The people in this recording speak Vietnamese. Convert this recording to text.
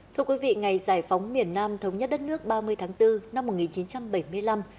thưa quý vị ngày giải phóng miền nam thống nhất đất nước ba mươi tháng bốn năm một nghìn chín trăm bảy mươi năm